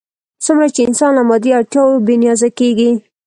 څومره چې انسان له مادي اړتیاوو بې نیازه کېږي.